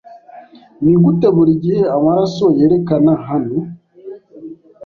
Nigute burigihe amaraso yerekana hano